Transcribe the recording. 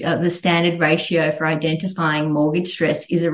rasio standar untuk mengetahui stress mortgage adalah sekitar tiga puluh